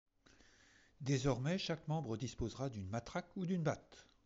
Désormais chaque membre disposera d’une matraque ou d’une batte.